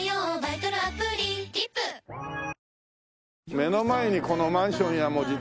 目の前にこのマンションやもう自宅。